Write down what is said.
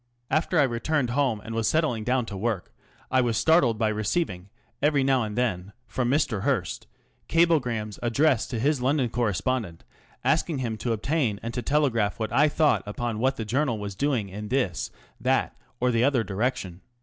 After I returned home and was settling down to work I was startled by receiving every now and then from Mr. Hearst cablegrams addressed to his London correspondent asking him to obtain and to telegraph what I thought upon what the Journal was doing in this, that, or the other direction.